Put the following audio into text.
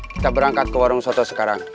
kita berangkat ke warung soto sekarang